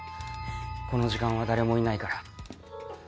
この時間は誰もいないから。